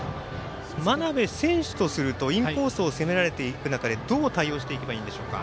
真鍋選手とするとインコースを攻められていく中でどういう対応していけばいいんでしょうか。